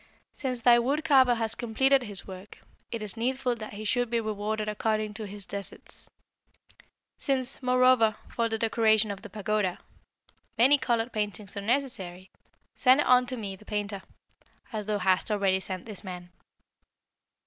Since thy wood carver has completed his work, it is needful that he should be rewarded according to his deserts. Since, moreover, for the decoration of the pagoda, many coloured paintings are necessary, send unto me the painter, as thou hast already sent this man.'